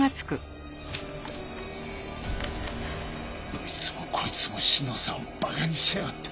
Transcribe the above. どいつもこいつも志乃さんを馬鹿にしやがって。